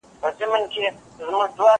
زه له سهاره کالي وچوم!؟